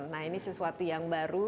nah ini sesuatu yang baru